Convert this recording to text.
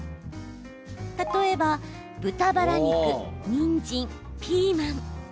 例えば豚バラ肉、にんじん、ピーマン。